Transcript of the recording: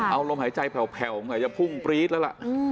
เอาลมหายใจแผ่วไงจะพุ่งปรี๊ดแล้วล่ะ